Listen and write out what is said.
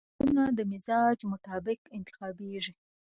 عطرونه د مزاج مطابق انتخابیږي.